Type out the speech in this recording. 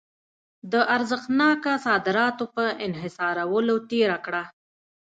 د ارزښتناکه صادراتو په انحصارولو تېره کړه.